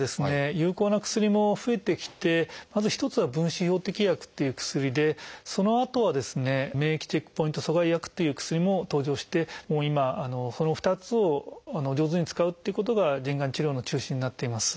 有効な薬も増えてきてまず一つは「分子標的薬」っていう薬でそのあとは「免疫チェックポイント阻害薬」という薬も登場して今その２つを上手に使うっていうことが腎がん治療の中心になっています。